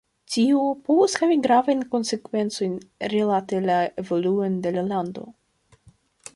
Tio povus havi gravajn konsekvencojn rilate la evoluon de la lando.